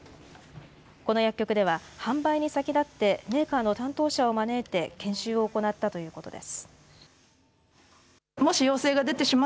この薬局では、販売に先立って、メーカーの担当者を招いて、研修を行ったということです。